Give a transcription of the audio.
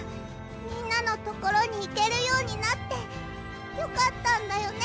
みんなのところにいけるようになってよかったんだよね？